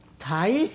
大変。